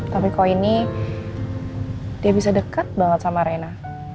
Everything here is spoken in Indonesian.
tapi kok ini dia bisa deket banget sama rina